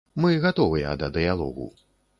Мы гатовыя да дыялогу.